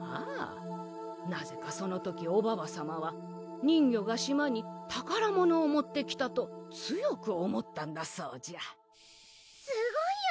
ああなぜかその時おばばさまは人魚が島に宝物を持ってきたと強く思ったんだそうじゃすごいよ！